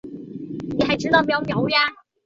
格罗尔芬根是德国巴伐利亚州的一个市镇。